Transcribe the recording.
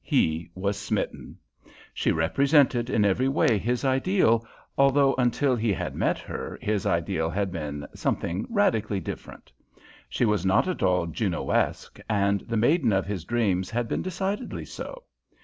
He was smitten. She represented in every way his ideal, although until he had met her his ideal had been something radically different. She was not at all Junoesque, and the maiden of his dreams had been decidedly so.